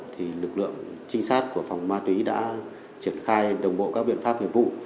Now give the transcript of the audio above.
thì lực lượng trinh sát của phòng ma túy đã triển khai đồng bộ các biện pháp nghiệp vụ